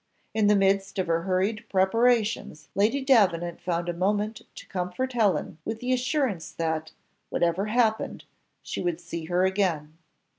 In the midst of her hurried preparations Lady Davenant found a moment to comfort Helen with the assurance that, whatever happened, she would see her again.